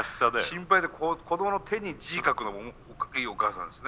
心配で子供の手に字を書くのいいお母さんですね。